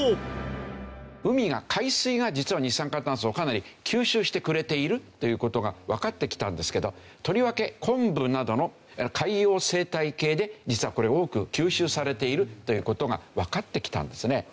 海が海水が実は二酸化炭素をかなり吸収してくれているという事がわかってきたんですけどとりわけ昆布などの海洋生態系で実はこれ多く吸収されているという事がわかってきたんですね。